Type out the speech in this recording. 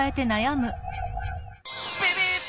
ビビッ！